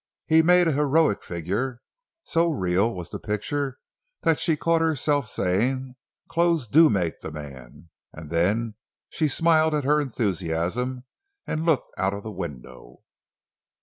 He made a heroic figure. So real was the picture that she caught herself saying: "Clothes do make the man!" And then she smiled at her enthusiasm and looked out of the window.